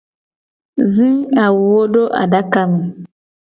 Zi awuwo do adaka me.